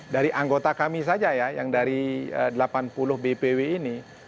dari anggota kami saja ya yang dari delapan puluh bpw ini